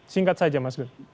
singkat saja mas gun